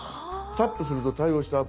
「タップすると対応したアプリ」。